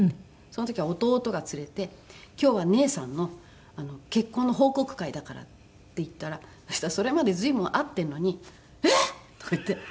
その時は弟が連れて「今日は姉さんの結婚の報告会だから」って言ったらそしたらそれまで随分会ってるのに「えっ！」とか言って。